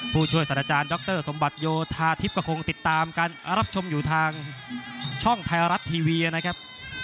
ผู้ช่วยสัตว์อาจารย์ดรสมบัติโยธาทิพย์ก็คงติดตามการรับชมอยู่ทางช่องไทยรัฐทีวีนะครับ